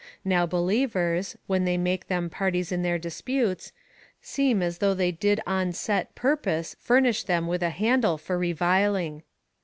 Now believers, when they make them parties in their disputes, seem as though they did on set purpose furnish them with a handle for reviling.